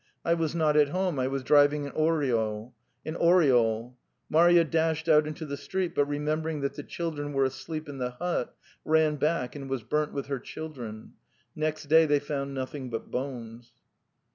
. I was not at home, I was driving in Oryol. In Oryol. ... Marya dashed out into the street, but remembering that the children were asleep in the hut, ran back and was burnt with her children. ... Next day they found nothing but bones."